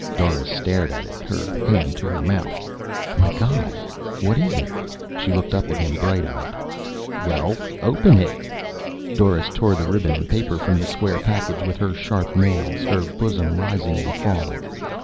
Doris stared at it, her hand to her mouth. "My God, what is it?" She looked up at him, bright eyed. "Well, open it." Doris tore the ribbon and paper from the square package with her sharp nails, her bosom rising and falling.